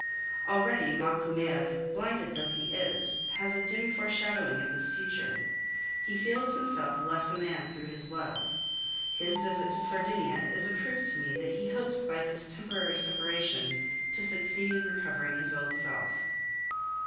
Already Macumer, blinded though he is, has a dim foreshadowing of this future; he feels himself less a man through his love. His visit to Sardinia is a proof to me that he hopes by this temporary separation to succeed in recovering his old self.